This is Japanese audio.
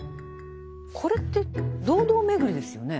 これって堂々巡りですよね。